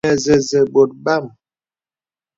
Sì ìnə zəzə bɔ̀t bàm.